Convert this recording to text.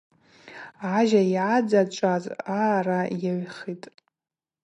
Ажьа ъадзачӏваз аъара йыгӏвхитӏ.